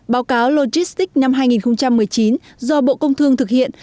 báo cáo logistics năm hai nghìn một mươi chín do bộ công thương thực hiện